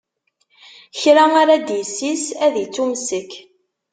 Kra ara d-issis, ad ittumessek.